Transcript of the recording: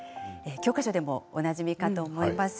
教科書でもおなじみかと思います。